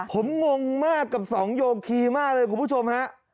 ผมงงมากกับสองโยคีมากเลยคุณผู้ชมฮะ